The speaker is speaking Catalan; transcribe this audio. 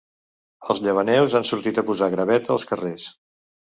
Els llevaneus han sortit a posar graveta als carrers.